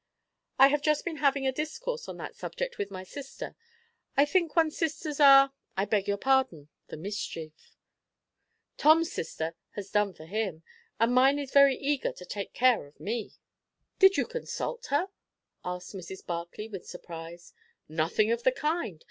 "I have just been having a discourse on that subject with my sister. I think one's sisters are I beg your pardon! the mischief. Tom's sister has done for him; and mine is very eager to take care of me." "Did you consult her?" asked Mrs. Barclay, with surprise. "Nothing of the kind!